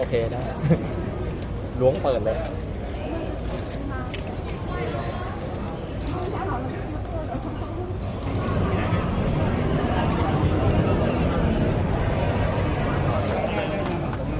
สวัสดีครับ